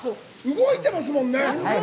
動いてますもんね！